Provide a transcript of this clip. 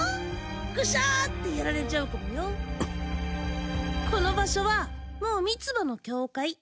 グシャーってやられちゃうかもよこの場所はもうミツバの境界